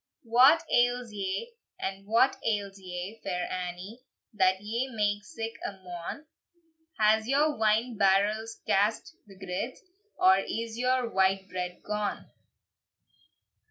"What ails ye, what ails ye, Fair Annie, That ye make sic a moan? Has your wine barrels cast the girds, Or is your white bread gone?